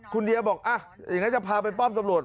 คุณเดียบอกอย่างนั้นจะพาไปป้อมตำรวจ